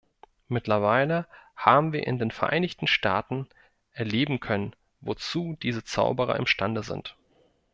Mittlerweile haben wir in den Vereinigten Staaten erleben können, wozu diese Zauberer imstande sind.